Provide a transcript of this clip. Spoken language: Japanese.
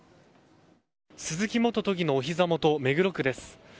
鈴木元都議のおひざ元目黒区です。